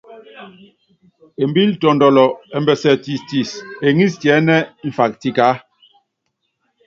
Embíl tɔ́ndɔlɔ ɛmbɛsɛ tistis, eŋís tiɛ́nɛ́ mfak tikaá.